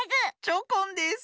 チョコンです。